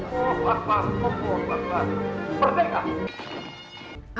oh apa apa apa apa berdekat